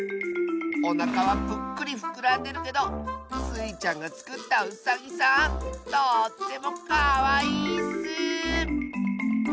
おなかはプックリふくらんでるけどスイちゃんがつくったウサギさんとってもかわいいッス！